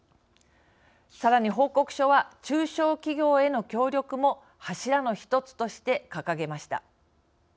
さらに、報告書は中小企業への協力も柱のひとつとして掲げました。